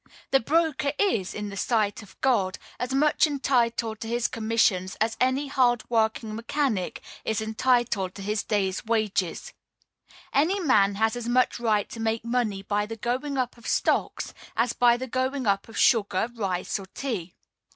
The broker is, in the sight of God, as much entitled to his commissions as any hard working mechanic is entitled to his day's wages. Any man has as much right to make money by the going up of stocks as by the going up of sugar, rice, or tea.